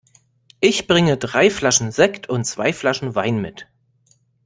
Ich bringe drei Flaschen Sekt und zwei Flaschen Wein mit.